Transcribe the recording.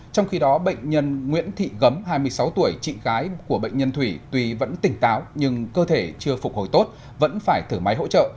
trong khi đó bệnh nhân nguyễn thị gấm hai mươi sáu tuổi chị gái của bệnh nhân thùy tuy vẫn tỉnh táo nhưng cơ thể chưa phục hồi tốt vẫn phải thử máy hỗ trợ